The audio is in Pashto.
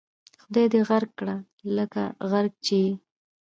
خدای دې غرق کړه لکه غرق چې یې.